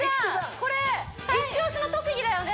これイチ推しの特技だよね？